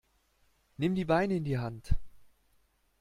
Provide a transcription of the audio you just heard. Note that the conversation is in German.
Nimm die Beine in die Hand.